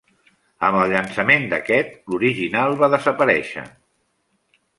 Amb el llançament d'aquest, l'original va desaparèixer.